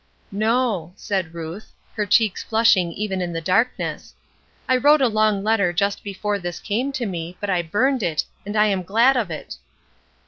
"No," said Ruth, her cheeks flushing even in the darkness. "I wrote a long letter just before this came to me, but I burned it, and I am glad of it."